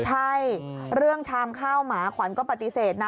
ใช่เรื่องชามข้าวหมาขวัญก็ปฏิเสธนะ